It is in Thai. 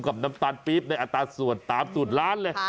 น้ำตาลปี๊บในอัตราส่วนตามสูตรร้านเลย